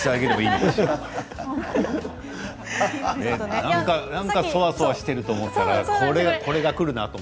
なんかそわそわしていると思ったらこれはくるなと。